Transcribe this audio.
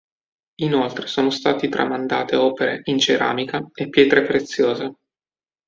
Inoltre sono stati tramandate opere in ceramica e pietre preziose.